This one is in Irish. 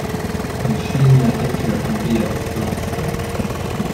Ansin a itear an bia is blasta.